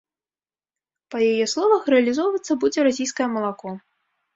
Па яе словах, рэалізоўвацца будзе расійскае малако.